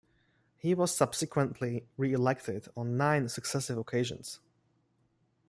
He was subsequently re-elected on nine successive occasions.